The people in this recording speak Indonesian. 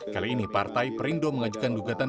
kali ini partai perindo mengajukan gugatan